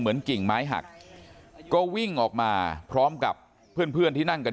เหมือนกิ่งไม้หักก็วิ่งออกมาพร้อมกับเพื่อนที่นั่งกัน